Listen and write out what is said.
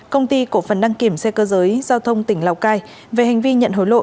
công ty cổ phần đăng kiểm xe cơ giới giao thông tỉnh lào cai về hành vi nhận hối lộ